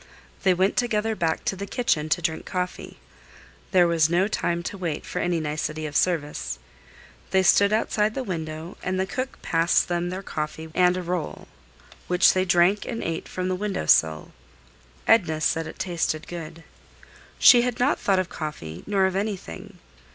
They went together back to the kitchen to drink coffee. There was no time to wait for any nicety of service. They stood outside the window and the cook passed them their coffee and a roll, which they drank and ate from the window sill. Edna said it tasted good. She had not thought of coffee nor of anything.